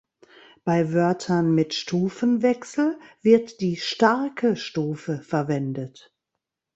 Bei Wörtern mit Stufenwechsel wird die „starke“ Stufe verwendet.